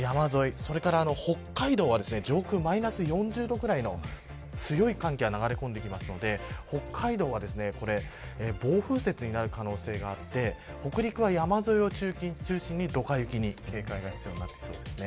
それから北海道は上空マイナス４０度ぐらいの強い寒気が流れ込んでくるので北海道は暴風雪になる可能性があって北陸は山沿いを中心にドカ雪に警戒が必要になってきそうです。